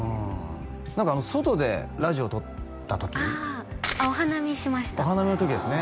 何かあの外でラジオとった時あお花見しましたお花見の時ですね